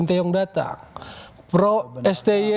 itu yang terbelah sejak sinteyong datang